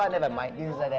bila kita membuat